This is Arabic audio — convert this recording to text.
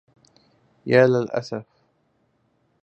يا للأسف